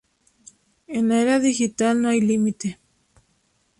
En la era digital no hay límite.